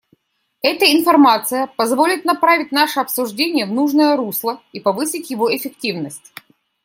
Эта информация позволит направить наше обсуждение в нужное русло и повысить его эффективность.